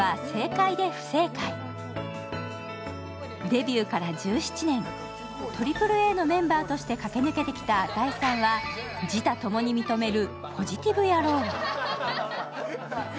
デビューから１７年、ＡＡＡのメンバーとして駆け抜けてきた與さんは自他ともに認めるポジティブ野郎。